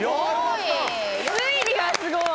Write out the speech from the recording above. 推理がすごい。